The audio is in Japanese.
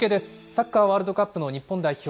サッカーワールドカップの日本代表。